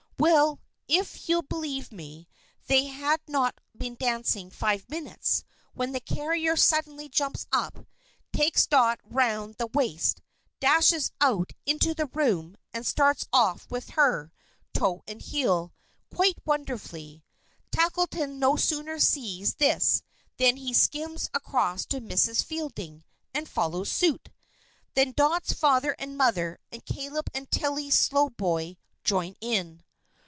Well, if you'll believe me, they had not been dancing five minutes, when the carrier suddenly jumps up, takes Dot round the waist, dashes out into the room, and starts off with her, toe and heel, quite wonderfully. Tackleton no sooner sees this than he skims across to Mrs. Fielding, and follows suit. Then Dot's father and mother, and Caleb and Tilly Slowboy join in.